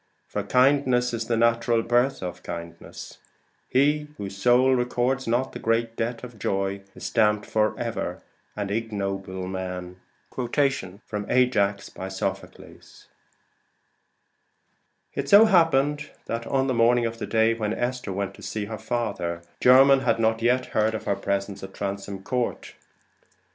For kindness is the natural birth of kindness. Whose soul records not the great debt of joy, Is stamped for ever an ignoble man. SOPHOCLES: Ajax. It so happened that, on the morning of the day when Esther went to see her father, Jermyn had not yet heard of her presence at Transome Court.